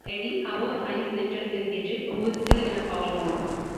Eddie, however, finds an interest in Gidget, who is still in a foul mood.